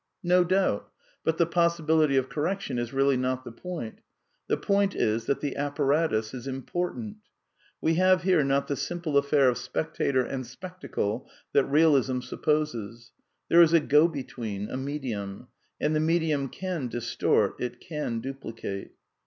No doubt; but the possibility of correction is really not the point. The point is t^nt thf^ fippflrfltnn in impnrtnTit We have here not the smipie affair of spectator and spectacle that Eealism supposes. There is a go between, a medium. \ And the medium can distort ; it can duplicate.